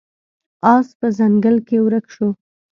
اس په ځنګل کې ورک شو.